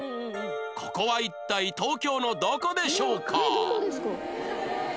ここは一体東京のどこでしょうか？